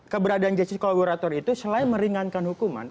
keberadaan justice kolaborator itu selain meringankan hukuman